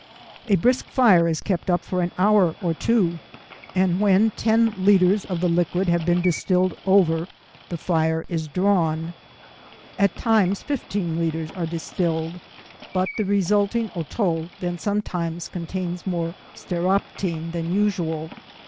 A brisk fire is kept up for an hour or two, and when ten litres of the liquid have distilled over, the fire is drawn. At times 12 fifteen litres are distilled, but the resulting Otto then contains more stearoptene than usual.